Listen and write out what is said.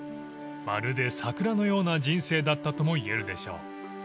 ［まるで桜のような人生だったともいえるでしょう］